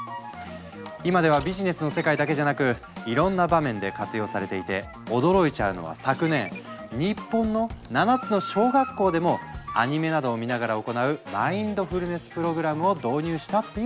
今ではビジネスの世界だけじゃなくいろんな場面で活用されていて驚いちゃうのは昨年日本の７つの小学校でもアニメなどを見ながら行うマインドフルネス・プログラムを導入したっていう話。